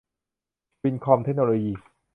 วินท์คอม เทคโนโลยี